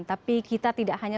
tapi kita tidak hanya